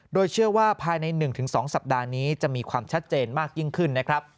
โดยเชื่อว่าภายใน๑๒สัปดาห์นี้จะมีความชัดเจนมากยิ่งขึ้นนะครับ